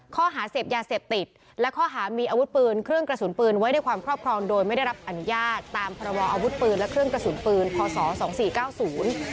ข้อหาเสพยาเสพติดและข้อหามีอาวุธปืนเครื่องกระสุนปืนไว้ในความครอบครองโดยไม่ได้รับอนุญาตตามพรบออาวุธปืนและเครื่องกระสุนปืนพศสองสี่เก้าศูนย์